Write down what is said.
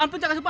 ampun jaga supa